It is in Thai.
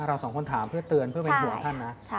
เราสองคนถามเพื่อเตือนเพื่อเป็นห่วงท่านนะ